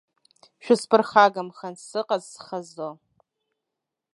Шәысԥырхагамхан, сыҟаз схазы.